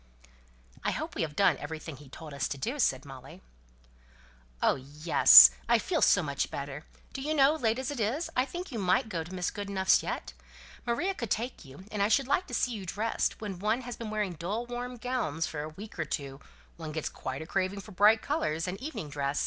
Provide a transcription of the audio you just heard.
'" "I hope we have done everything he told us to do," said Molly. "Oh yes! I feel so much better. Do you know, late as it is, I think you might go to Mrs. Goodenough's yet? Maria could take you, and I should like to see you dressed; when one has been wearing dull warm gowns for a week or two one gets quite a craving for bright colours, and evening dress.